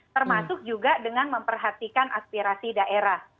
termasuk juga dengan memperhatikan aspirasi daerah